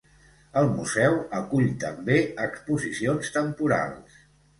El museu acull també exposicions temporals.